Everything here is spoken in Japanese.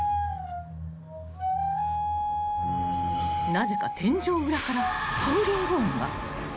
［なぜか天井裏からハウリング音が］